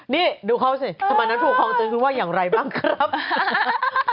นี่ดูเขาสิสมานานถูกคองเจ้าคือว่าอย่างไรบ้างครับ